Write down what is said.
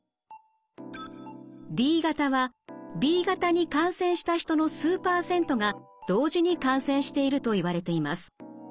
Ｄ型はＢ型に感染した人の数％が同時に感染しているといわれています。